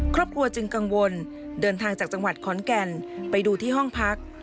ครอบครัวจึงกังวลเดินทางจากจังหวัดขอนแก่นไปดูที่ห้องพัก